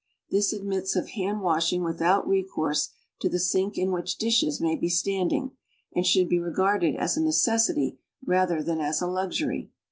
This admits of hand washing without recourse to the sinl< in which dishes may be standing, and should be regarded as a necessity rather than as a luxury.